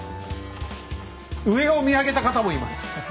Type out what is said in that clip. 上を見上げた方もいます。